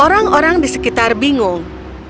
orang orang di sekitar bingung